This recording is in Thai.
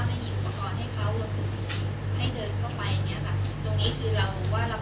ตรงนี้คือเรารับรองว่าเราจะหาอุปกรณ์หรือว่าทุกอย่าง